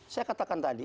saya katakan tadi